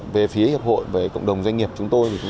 về phía hiệp hội về cộng đồng doanh nghiệp chúng tôi